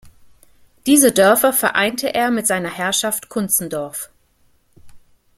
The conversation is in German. Diese Dörfer vereinte er mit seiner Herrschaft Kunzendorf.